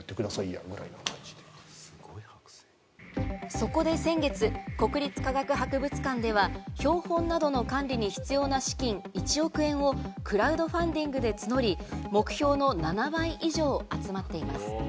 そこで先月、国立科学博物館では、標本などの管理に必要な資金１億円をクラウドファンディングで募り、目標の７倍以上集まっています。